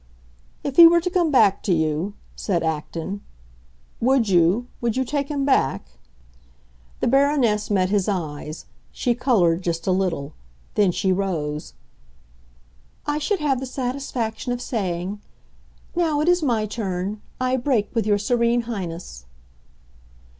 "If he were to come back to you," said Acton, "would you—would you take him back?" The Baroness met his eyes; she colored just a little. Then she rose. "I should have the satisfaction of saying, 'Now it is my turn. I break with your Serene Highness!